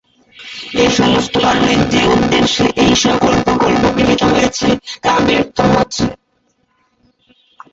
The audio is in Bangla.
এসমস্ত কারণে যে উদ্দেশ্যে এইসকল প্রকল্প গৃহীত হয়েছে তা ব্যর্থ হচ্ছে।